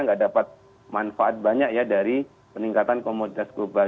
nggak dapat manfaat banyak ya dari peningkatan komoditas global